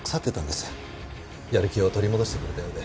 やる気を取り戻してくれたようで。